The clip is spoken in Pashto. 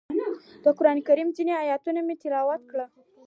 د قرانکریم ځینې ایتونه مې تلاوت کړل.